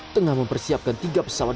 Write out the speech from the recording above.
tengah mempersiapkan tiga pesawat